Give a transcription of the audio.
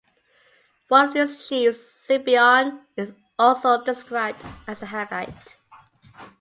One of these chiefs, Zibeon, is also described as a Hivite.